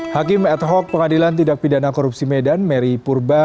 hakim ad hoc pengadilan tindak pidana korupsi medan mary purba